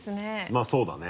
まぁそうだね。